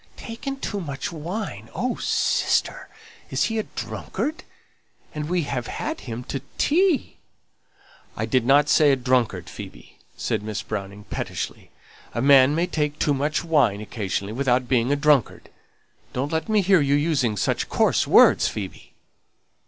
"Taken too much wine! Oh, sister, is he a drunkard? and we have had him to tea!" "I didn't say he was a drunkard, Phoebe," said Miss Browning, pettishly. "A man may take too much wine occasionally, without being a drunkard. Don't let me hear you using such coarse words, Phoebe!"